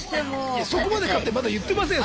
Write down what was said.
いやそこまでだってまだ言ってませんよ